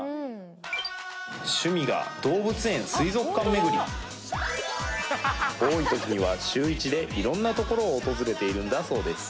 趣味が動物園水族館巡り多いときには週一で色んなところを訪れているんだそうです